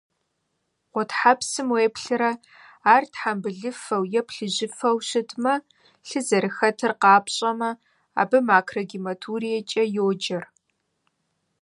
Гъутхьэпсым уеплърэ, ар тхьэмбылыфэу е плыжьыфэу щытмэ, лъы зэрыхэтыр къапщӏэмэ, абы макрогематуриекӏэ йоджэр.